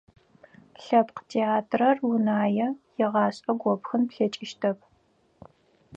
Лъэпкъ театрэр Унае игъашӀэ гопхын плъэкӀыщтэп.